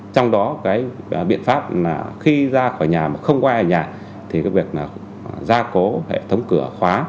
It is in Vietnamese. trong đó cái biện pháp là khi ra khỏi nhà mà không có ai ở nhà thì cái việc là ra cố hệ thống cửa khóa